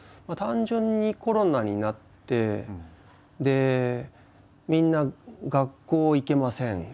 単純にコロナになってでみんな学校行けません